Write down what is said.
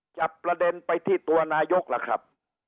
จับประเด็นไปที่ตัวนายกล่ะครับ